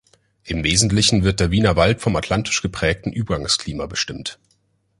Im Wesentlichen wird der Wienerwald vom atlantisch geprägten Übergangsklima bestimmt.